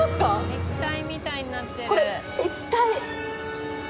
液体みたいになってる。